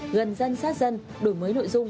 gần dân sát dân đổi mới nội dung